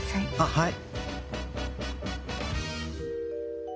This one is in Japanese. はい。